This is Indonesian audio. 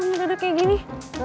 orangnya dada kayak gini